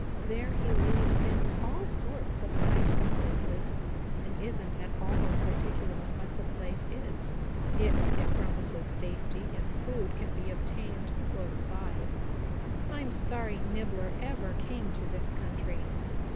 There he lives in all sorts of hiding places, and isn't at all particular what the place is, if it promises safety and food can be obtained close by. I'm sorry Nibbler ever came to this country.